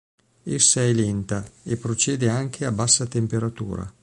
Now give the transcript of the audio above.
Essa è lenta e procede anche a bassa temperatura.